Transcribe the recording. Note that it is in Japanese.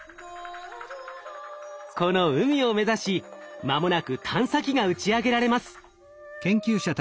この海を目指し間もなく探査機が打ち上げられます。